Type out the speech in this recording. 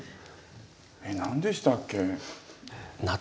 えっ何でしたっけ？